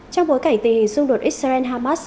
trong bối cảnh tình xung đột israel hamas